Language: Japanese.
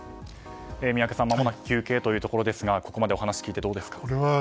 三宅さんまもなく求刑ということですがここまでお話を聞いてどうですか。